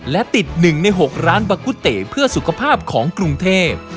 และติด๑ใน๖ร้านบากุเตเพื่อสุขภาพของกรุงเทพ